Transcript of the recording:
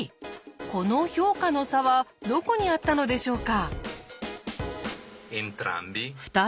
この評価の差はどこにあったのでしょうか？